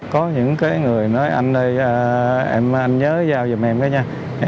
có những người nói anh ơi anh nhớ giao giùm em cái nha